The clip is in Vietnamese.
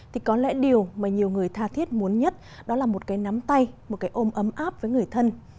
thì có lẽ điều mà nhiều người tha thiết muốn nhất đó là một cái nắm tay một cái ôm ấm áp với người thân